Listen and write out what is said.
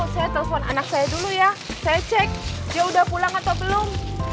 saya telepon anak saya dulu ya saya cek dia udah pulang atau belum